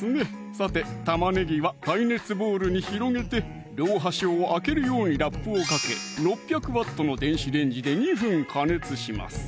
さて玉ねぎは耐熱ボウルに広げて両端を開けるようにラップをかけ６００Ｗの電子レンジで２分加熱します